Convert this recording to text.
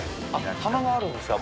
窯があるんですか。